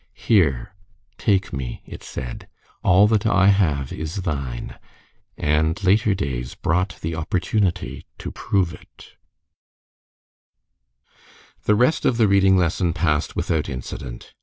"Here, take me," it said; "all that I have is thine," and later days brought the opportunity to prove it. The rest of the reading lesson passed without incident.